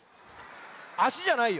あしじゃないよ。